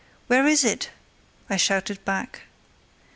"Where is it?" I shouted back.